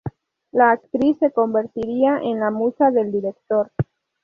La actriz se convertiría en la musa del director.